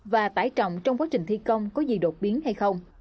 và tải trọng trong quá trình thi công có gì đột biến hay không